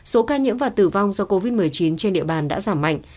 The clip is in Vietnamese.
số ca nhiễm và tử vong do covid một mươi chín trên địa bàn đã giảm mạnh